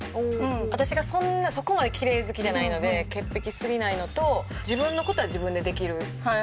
私がそこまできれい好きじゃないので潔癖すぎないのと自分の事は自分でできる人。